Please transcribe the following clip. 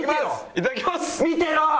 いただきます！